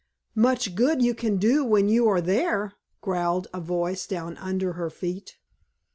"Much good you can do when you are there!" growled a voice down under her feet.